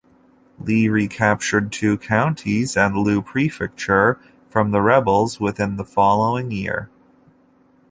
Li recaptured two counties and Lu Prefecture from the rebels within the following year.